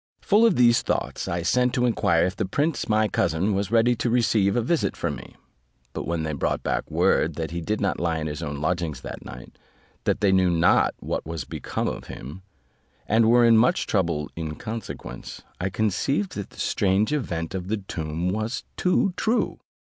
Full of these thoughts, I sent to enquire if the prince my cousin was ready to receive a visit from me; but when they brought word back that he did not lie in his own lodgings that night, that they knew not what was become of him, and were in much trouble in consequence, I conceived that the strange event of the tomb was too true.